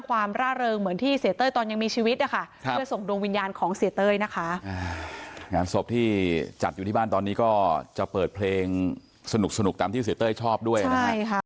วันนี้ก็จะเปิดเพลงสนุกตามที่เสียเต้ยชอบด้วยนะครับ